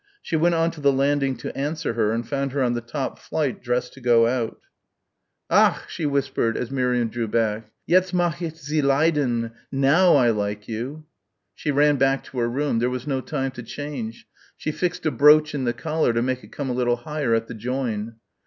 She went on to the landing to answer her and found her on the top flight dressed to go out. "Ach!" she whispered as Miriam drew back. "Jetzt mag' ich Sie leiden. Now I like you." She ran back to her room. There was no time to change. She fixed a brooch in the collar to make it come a little higher at the join.